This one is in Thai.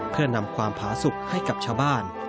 เพื่อนำความผาสุขให้กับชาวบ้าน